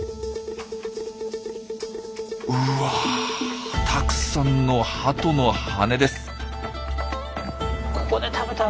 うわたくさんのハトの羽根です。